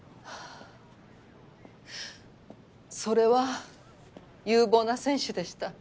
それは有望な選手でした。